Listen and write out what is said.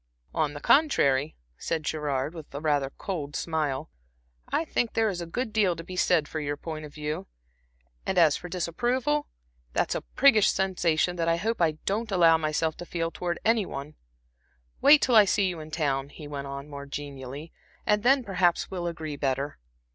"On the contrary," said Gerard, with rather a cold smile "I think there is a good deal to be said for your point of view and as for disapproval, that's a priggish sensation that I hope I don't allow myself to feel towards any one. Wait till I see you in town," he went on, more genially "and then perhaps we'll agree better."